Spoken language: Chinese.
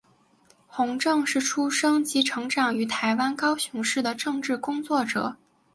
洪正是出生及成长于台湾高雄市的政治工作者。